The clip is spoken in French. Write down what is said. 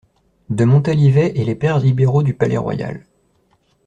De Montalivet et les pairs libéraux du Palais-Royal.